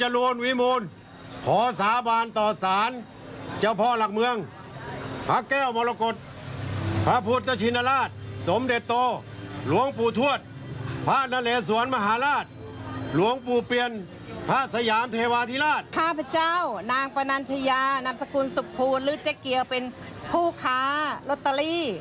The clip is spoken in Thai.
นี่ซึ่งมีเจ๊เกี่ยวเป็นผู้ค้าโรตเตอรี่